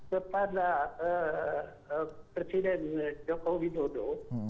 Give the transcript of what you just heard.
kepada presiden joko widodo